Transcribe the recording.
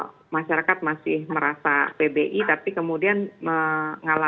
kemudian jadi eee masyarakat masih merasa pbi tapi kemudian mengalami exclusion gitu ya